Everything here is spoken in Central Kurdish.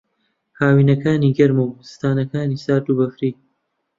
ھاوینەکانی گەرمە و زستانانەکانی سارد و بەفری